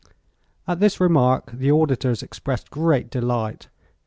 At this remark the auditors expressed great delight.